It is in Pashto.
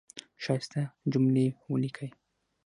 ښایسته جملی ولیکی